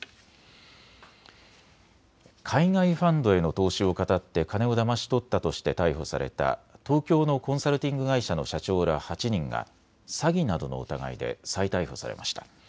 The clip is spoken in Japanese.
海外ファンドへの投資をかたって金をだまし取ったとして逮捕された東京のコンサルティング会社の社長ら８人が詐欺などの疑いで再逮捕されました。